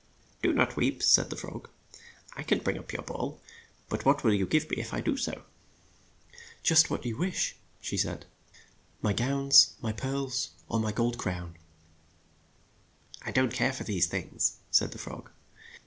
"Do not weep," said the frog. "I can bring up your ball, THE PROG PRINCE 43 but what will you give me if I do so ?" "Just what you wish," said she; "my gowns, my pearls or my gold crown." "I do not care for those things," said the frog.